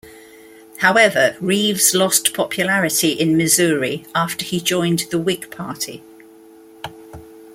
However, Rives lost popularity in Missouri after he joined the Whig Party.